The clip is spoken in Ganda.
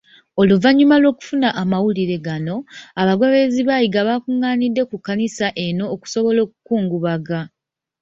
Oluvannyuma lw'okufuna amawulire gano, abagoberezi ba Yiga bakung'anidde ku kkanisa eno okusobola okukungubaga.